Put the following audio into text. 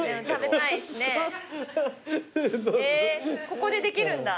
ここでできるんだ。